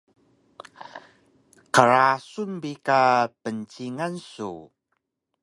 Qrasun bi ka pncingan su!